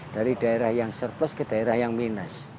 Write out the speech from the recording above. dari daerah yang surplus ke daerah yang minus